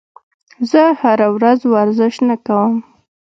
زه هره ورځ ورزش نه کوم.